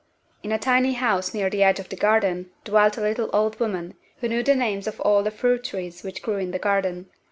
In a tiny house near the edge of the garden dwelt a little old woman who knew the names of all the fruit trees which grew in the garden.